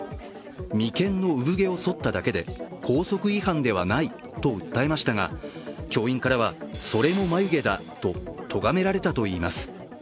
眉間の産毛をそっただけで、校則違反ではないと訴えましたが教員からは、それも眉毛だととがめられたといいます。